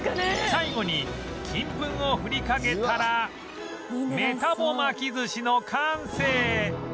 最後に金粉を振りかけたらメタボ巻き寿司の完成！